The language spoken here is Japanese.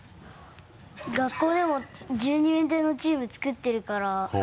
学校でも１２面体のチーム作ってるから。